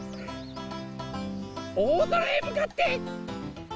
おおぞらへむかってゴー！